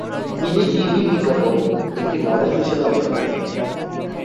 তিনি টিভি বিজ্ঞাপন একটি মডেল হিসাবে অংশ নেন।